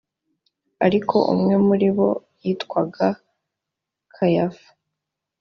ariko umwe muri bo witwaga kayafa